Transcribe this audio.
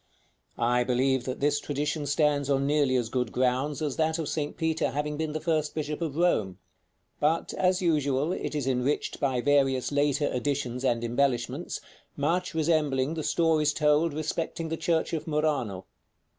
I believe that this tradition stands on nearly as good grounds as that of St. Peter having been the first bishop of Rome; but, as usual, it is enriched by various later additions and embellishments, much resembling the stories told respecting the church of Murano.